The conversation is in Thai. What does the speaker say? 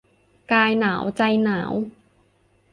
กายหนาว ใจหนาว